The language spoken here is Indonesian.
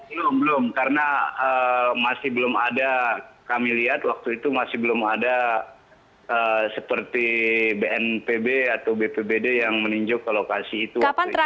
belum belum karena masih belum ada kami lihat waktu itu masih belum ada seperti bnpb atau bpbd yang meninjau ke lokasi itu waktu itu